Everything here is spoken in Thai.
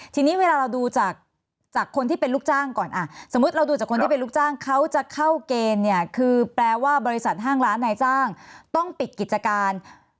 ทีนี้เวลาเราดูจากคนที่เป็นลูกจ้างก่อนสมมุติเราดูจากคนที่เป็นลูกจ้างเขาจะเข้าเกณฑ์เนี่ยคือแปลว่าบริษัทห้างร้านนายจ้างต้องปิดกิจการ